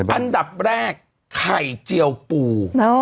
อันดับแรกไข่เจียวปู